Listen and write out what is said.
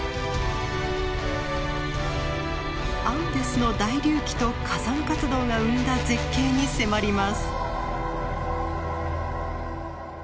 アンデスの大隆起と火山活動が生んだ絶景に迫ります。